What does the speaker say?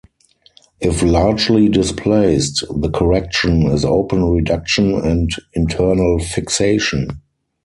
If largely displaced, the correction is open reduction and internal fixation.